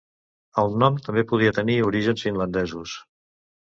El nom també podria tenir orígens finlandesos.